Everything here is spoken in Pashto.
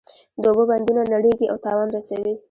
د اوبو بندونه نړیږي او تاوان رسوي.